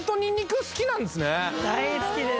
大好きです